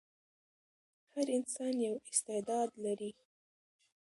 هر انسان یو استعداد لري.